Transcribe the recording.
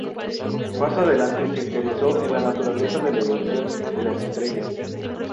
Más adelante se interesó en la naturaleza de la evolución de las estrellas.